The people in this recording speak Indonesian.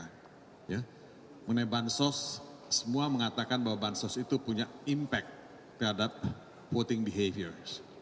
mengenai bansos semua mengatakan bahwa bansos itu punya impact terhadap voting behavior